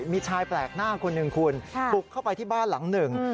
มีชายแปลกหน้าคนหนึ่งคุณบุกเข้าไปที่บ้านหลังหนึ่ง